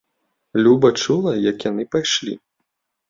Люба чула, як яны пайшлі.